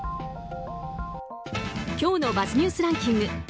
今日のＢｕｚｚニュースランキング。